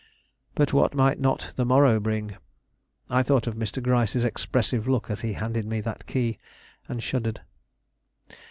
But what might not the morrow bring? I thought of Mr. Gryce's expressive look as he handed me that key, and shuddered.